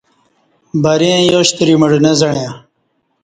بریں یاشتری مڑہ نہ زعیاں